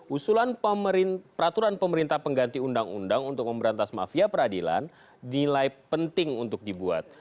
usulan peraturan pemerintah pengganti undang undang untuk memberantas mafia peradilan dinilai penting untuk dibuat